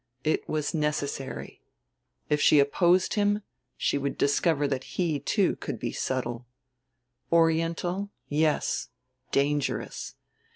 It was necessary. If she opposed him she would discover that he, too, could be subtle, Oriental, yes dangerous.